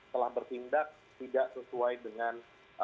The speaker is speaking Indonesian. telah bertindak tidak sesuai dengan